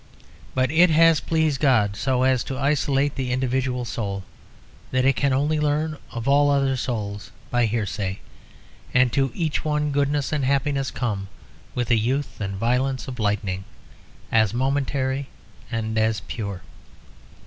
But it has pleased God so to isolate the individual soul that it can only learn of all other souls by hearsay, and to each one goodness and happiness come with the youth and violence of lightning, as momentary and as pure.